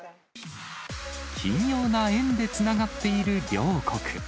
奇妙な縁でつながっている両国。